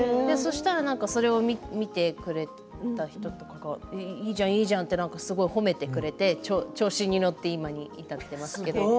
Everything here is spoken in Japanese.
それを見てくれた人とかがいいじゃん、いいじゃんとすごく褒めてくれて調子に乗って今に、至っていますけど。